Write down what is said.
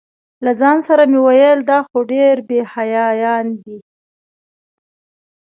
له ځان سره مې ویل دا خو ډېر بې حیایان دي.